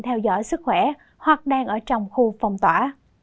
theo dõi sức khỏe hoặc đang ở trong khu phong tỏa